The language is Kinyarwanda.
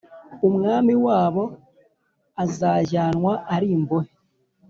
Umwami wabo azajyanwa ari imbohe